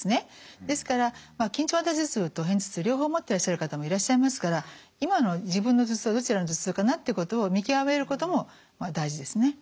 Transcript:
ですから緊張型頭痛と片頭痛両方持ってらっしゃる方もいらっしゃいますから今の自分の頭痛はどちらの頭痛かなってことを見極めることも大事ですね。